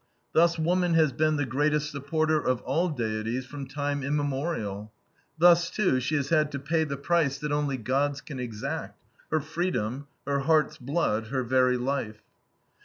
Thus woman has been the greatest supporter of all deities from time immemorial. Thus, too, she has had to pay the price that only gods can exact, her freedom, her heart's blood, her very life.